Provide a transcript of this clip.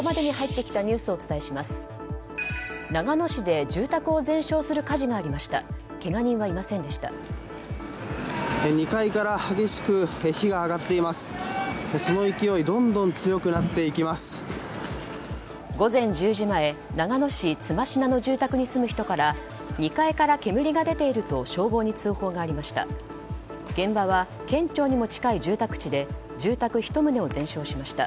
午前１０時前長野市妻科の住宅に住む人から２階から煙が出ていると消防に通報がありました。